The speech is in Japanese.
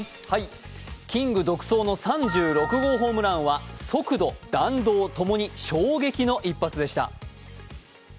キング独走の３６号ホームランは速度、弾道ともに衝撃の一発でした。